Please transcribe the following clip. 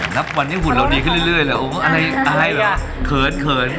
นับวันนี้หุ่นเราดีขึ้นเรื่อยอะไรแบบเผินเผิน